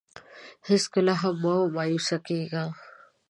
هېڅکله هم مه مایوسه کېږه.